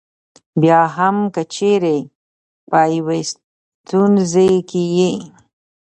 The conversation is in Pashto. بیا هم که چېرې په یوې ستونزه کې یې.